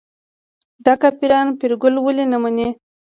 دا کافران پیرګل ولې نه مني.